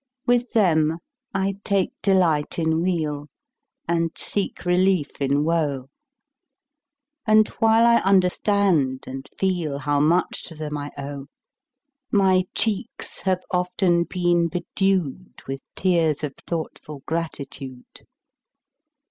With them I take delight in weal And seek relief in woe; And while I understand and feel How much to them I owe, 10 My cheeks have often been bedew'd With tears of thoughtful gratitude.